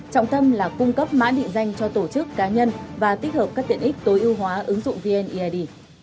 trọng tâm là cung cấp mã định danh cho tổ chức cá nhân và tích hợp các tiện ích tối ưu hóa ứng dụng vneid